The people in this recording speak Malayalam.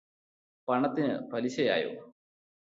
പണത്തിന് പലിശയായോ.